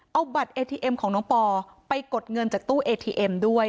เอาบัตรเอทีเอ็มของน้องปอไปกดเงินจากตู้เอทีเอ็มด้วย